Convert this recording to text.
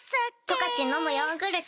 「十勝のむヨーグルト」